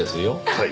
はい。